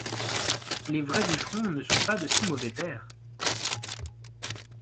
Les vrais bûcherons ne sont pas de si mauvais pères !